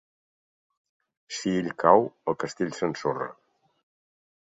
Si ell cau, el castell s’ensorra.